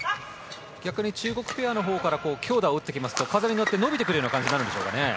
逆に中国ペアのほうから強打を打ってきますと風に乗って伸びてくる感じになるんですかね。